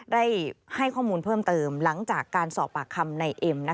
ได้ให้ข้อมูลเพิ่มเติมหลังจากการสอบปากคำในเอ็ม